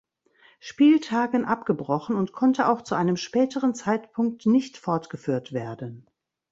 Spieltagen abgebrochen und konnte auch zu einem späteren Zeitpunkt nicht fortgeführt werden.